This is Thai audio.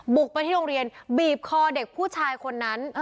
บุกไปที่โรงเรียนบีบคอเด็กผู้ชายคนนั้น